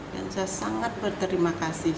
dan saya sangat berterima kasih